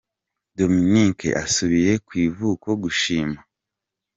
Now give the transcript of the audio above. Dominice asubiye ku ivuko gushima